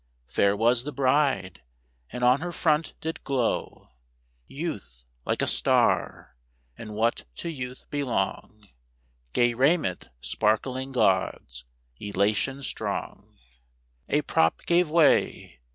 Fair was the bride, and on her front did glow Youth like a star; and what to youth belong, Gay raiment sparkling gauds, elation strong. A prop gave way!